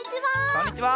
こんにちは。